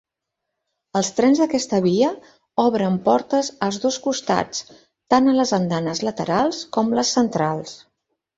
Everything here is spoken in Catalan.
Els trens d'aquesta via obren portes als dos costats tant a les andanes laterals com les centrals.